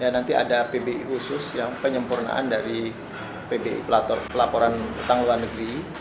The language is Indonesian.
nanti ada pbi khusus yang penyempurnaan dari pbi pelaporan tanggungan negeri